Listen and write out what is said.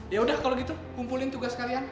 yaudah kalo gitu kumpulin tugas kalian